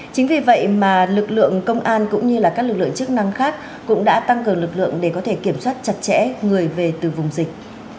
chính vì vậy mà lực lượng công an cũng như các lực lượng chức năng khác cũng đã tăng cường lực lượng để có thể kiểm soát chặt chẽ người về từ vùng dịch